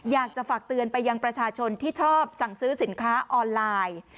อยากจะฝากเตือนไปยังประชาชนที่ชอบสั่งซื้อสินค้าออนไลน์